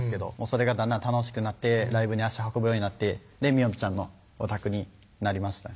それがだんだん楽しくなってライブに足運ぶようになってみおぴちゃんのオタクになりました